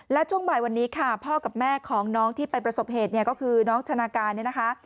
และช่วงบ่ายวันนี้ค่ะพ่อกับแม่ของน้องที่ไปประสบเหตุเนี่ยก็คือน้องชนะการเนี่ยนะคะ